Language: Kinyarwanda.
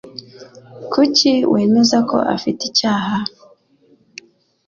Kuki wemeza ko afite icyaha?